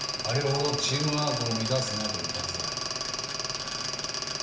あれほどチームワークを乱すなと言ったはずだ。